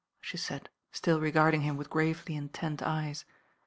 .he said, ttiU rewrd mg him with gravely intent eyei.